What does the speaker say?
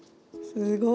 すごい。